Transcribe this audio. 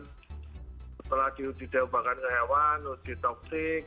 setelah diutih cobaan ke hewan diutih toksik